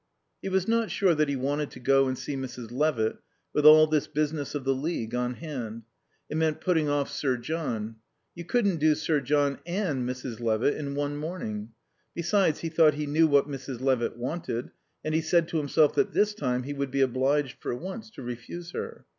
He was not sure that he wanted to go and see Mrs. Levitt with all this business of the League on hand. It meant putting off Sir John. You couldn't do Sir John and Mrs. Levitt in one morning. Besides, he thought he knew what Mrs. Levitt wanted, and he said to himself that this time he would be obliged, for once, to refuse her.